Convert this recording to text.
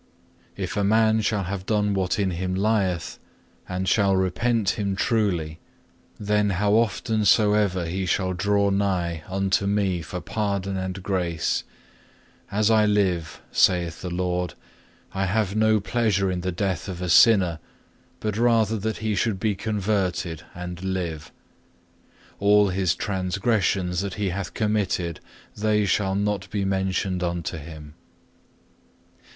If a man shall have done what in him lieth, and shall repent him truly, then how often soever he shall draw nigh unto Me for pardon and grace, As I live, saith the Lord, I have no pleasure in the death of a sinner, but rather that he should be converted, and live. All his transgressions that he hath committed, they shall not be mentioned unto him.